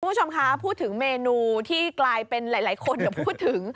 คุณผู้ชมคะพูดถึงเมนูที่กลายเป็นหลายคนพูดถึง